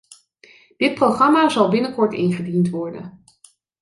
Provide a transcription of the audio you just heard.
Dit programma zal binnenkort ingediend worden.